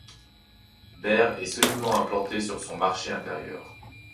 Behr est solidement implanté sur son marché intérieur.